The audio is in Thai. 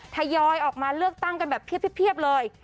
ยอยออกมาเลือกตั้งกันแบบเพียบเลย